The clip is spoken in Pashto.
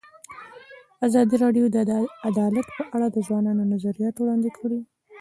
ازادي راډیو د عدالت په اړه د ځوانانو نظریات وړاندې کړي.